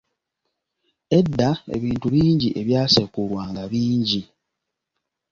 Edda ebintu bingi ebyasekulwanga bingi.